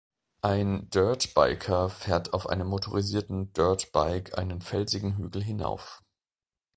Ein Dirt Biker fährt auf einem motorisierten Dirt Bike einen felsigen Hügel hinauf